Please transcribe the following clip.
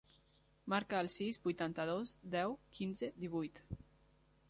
Marca el sis, vuitanta-dos, deu, quinze, divuit.